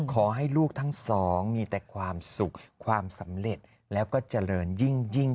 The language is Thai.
ขอให้ลูกทั้งสองมีแต่ความสุขความสำเร็จแล้วก็เจริญยิ่ง